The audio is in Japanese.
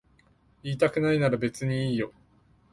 言いたくないなら別にいいよ。